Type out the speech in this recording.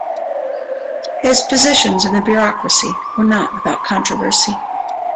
His positions in the bureaucracy were not without controversy.